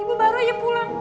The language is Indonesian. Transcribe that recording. ibu baru aja pulang